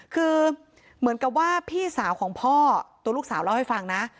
คือเหมือนกับว่าพี่สาวของพ่อตัวลูกสาวเล่าให้ฟังนะ